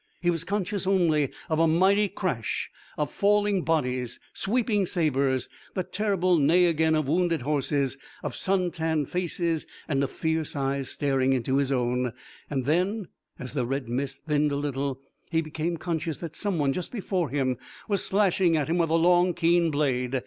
He was conscious only of a mighty crash, of falling bodies, sweeping sabers, that terrible neigh again of wounded horses, of sun tanned faces, and of fierce eyes staring into his own, and then, as the red mist thinned a little, he became conscious that someone just before him was slashing at him with a long, keen blade.